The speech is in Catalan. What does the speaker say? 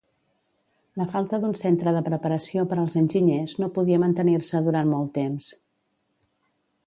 La falta d'un centre de preparació per als Enginyers no podia mantenir-se durant molt temps.